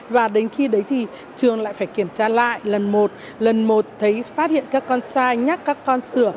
và đến khi đấy thì trường lại phải kiểm tra lại lần một lần một thấy phát hiện các con sai nhắc các con sửa